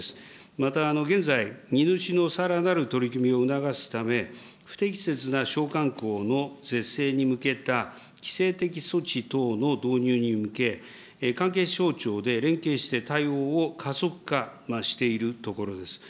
また現在、荷主のさらなる取り組みを促すため、不適切な商慣行の是正に向けた規制的措置等の導入に向け、関係省庁で連携して対応を加速化しているところです。